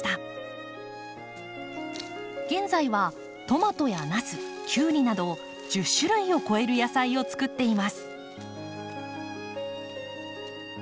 現在はトマトやナスキュウリなど１０種類を超える野菜をつくっています。